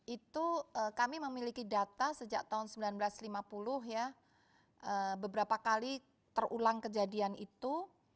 itu kami memiliki data sejak tahun seribu sembilan ratus lima puluh ya beberapa kali terulang kejadian itu